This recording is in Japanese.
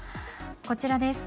こちらです。